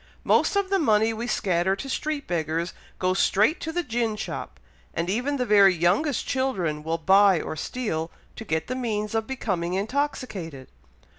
Most of the money we scatter to street beggars goes straight to the gin shop, and even the very youngest children will buy or steal, to get the means of becoming intoxicated.